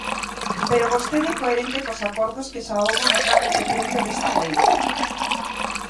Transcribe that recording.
Pero vostede é coherente cos acordos que xa houbo no trámite previo desta lei.